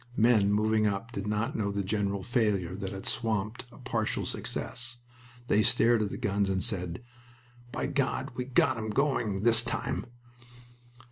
Men moving up did not know the general failure that had swamped a partial success. They stared at the guns and said, "By God we've got 'em going this time!"